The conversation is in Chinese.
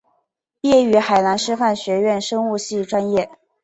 毕业于海南师范学院生物系专业。